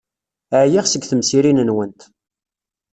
Ɛyiɣ seg temsirin-nwent.